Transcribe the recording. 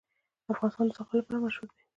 افغانستان د زغال لپاره مشهور دی.